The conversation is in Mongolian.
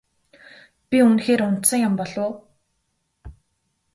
Би үнэхээр унтсан юм болов уу?